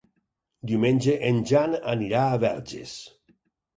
Diumenge en Jan anirà a Verges.